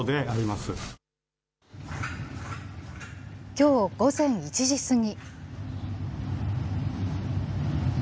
きょう午前１時過ぎ。